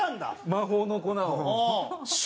魔法の粉を。